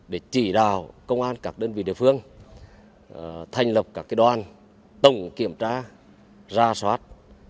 để chỉ đào công an các đơn vị địa phương thành lập các đoàn tổng kiểm tra ra soát